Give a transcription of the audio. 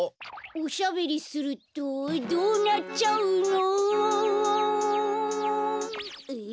おしゃべりするとどうなっちゃうのおおおん。え？